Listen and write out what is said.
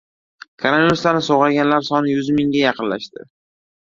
Koronavirusdan sog‘ayganlar soni yuz mingga yaqinlashdi